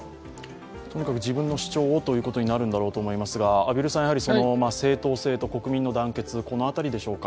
とにかく自分の主張をということになるんだろうと思いますが正当性と国民の団結、この辺りでしょうか。